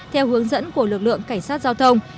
theo hướng dẫn của lực lượng cảnh sát giao thông